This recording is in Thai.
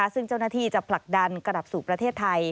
ซึ่งเจ้าหน้าที่จะผลักดันกลับสู่ประเทศไทย